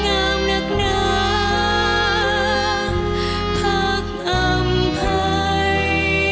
งามหนักหนาทักอำภัย